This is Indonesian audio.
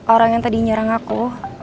orang yang tadi nyerang aku